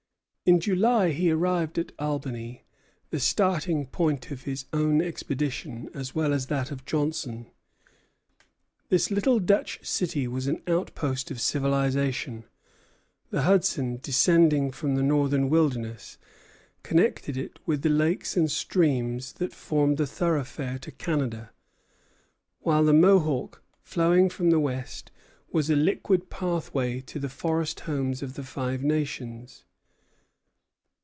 In July he arrived at Albany, the starting point of his own expedition as well as that of Johnson. This little Dutch city was an outpost of civilization. The Hudson, descending from the northern wilderness, connected it with the lakes and streams that formed the thoroughfare to Canada; while the Mohawk, flowing from the west, was a liquid pathway to the forest homes of the Five Nations.